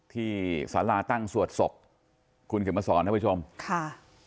ที่ศาลาตั้งสวดศพคุณเข็มมาสอนนะครับทุกผู้ชม